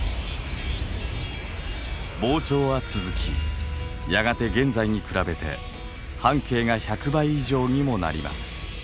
膨張は続きやがて現在に比べて半径が１００倍以上にもなります。